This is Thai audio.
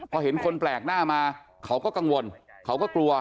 พอเห็นคนแปลกหน้ามาเขาก็กังวลเขาก็กลัว